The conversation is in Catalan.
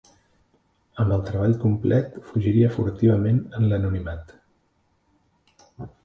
Amb el treball complet, fugiria furtivament en l'anonimat.